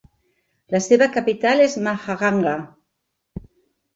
La seva capital és Mahajanga.